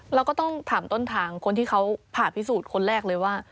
เราก็ต้องถามต้นทางคนที่เขาผ่าพิสูจน์คนแรกเลยว่า